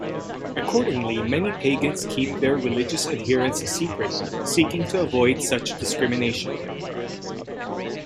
Accordingly, many Pagans keep their religious adherence a secret, seeking to avoid such discrimination.